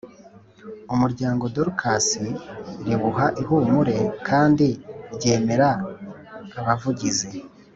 Umuryango Dorcas riwuha Ihumure kandi ryemera Abavugizi